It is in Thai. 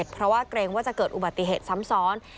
เพราะว่าเกรงว่าจะเกิดอุบัติเหตุซ้ำซ้อน